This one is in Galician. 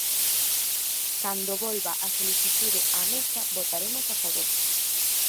Cando volva a solicitude á Mesa votaremos a favor.